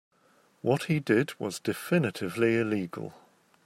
What he did was definitively illegal.